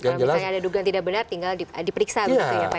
kalau misalnya ada yang tidak benar tinggal diperiksa